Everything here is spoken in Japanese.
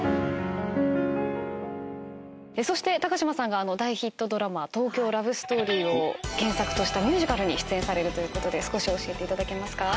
そして高島さんが大ヒットドラマ『東京ラブストーリー』を原作としたミュージカルに出演されるということで少し教えていただけますか？